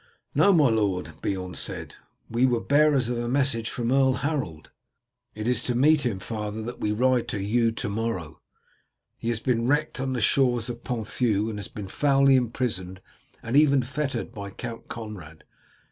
"No, my lord," Beorn said, "we were bearers of a message from Earl Harold." "It is to meet him, father, that we are to ride to Eu to morrow. He has been wrecked on the shores of Ponthieu, and has been foully imprisoned and even fettered by Count Conrad.